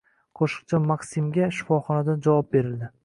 Qo‘shiqchi MakSimga shifoxonadan javob berildi